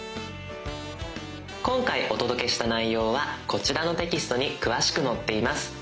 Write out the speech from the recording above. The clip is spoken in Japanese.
今回お届けした内容はこちらのテキストに詳しく載っています。